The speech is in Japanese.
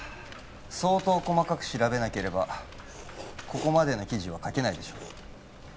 相当細かく調べなければここまでの記事は書けないでしょう